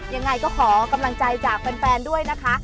ยังไงก็ขอกำลังใจจากแฟนด้วยนะคะ